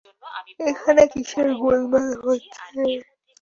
এখানে কিসের গোলমাল হচ্ছে?